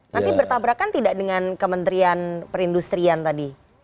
nanti bertabrakan tidak dengan kementerian perindustrian tadi